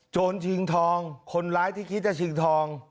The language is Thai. ชิงทองคนร้ายที่คิดจะชิงทอง